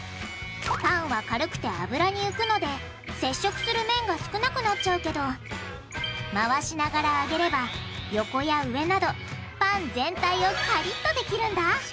パンは軽くて油に浮くので接触する面が少なくなっちゃうけど回しながら揚げれば横や上などパン全体をカリッとできるんだ。